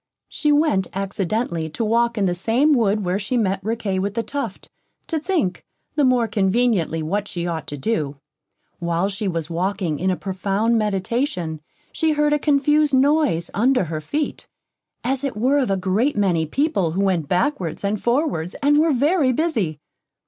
She went accidentally to walk in the same wood where she met Riquet with the Tuft, to think, the more conveniently, what she ought to do. While she was walking in a profound meditation, she heard a confused noise under her feet, as it were of a great many people who went backwards and forwards, and were very busy.